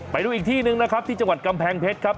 ไปดูอีกที่หนึ่งนะครับที่จังหวัดกำแพงเพชรครับ